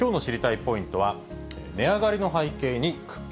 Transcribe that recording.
ポイントは、値上がりの背景に苦境。